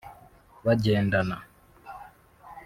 bagendana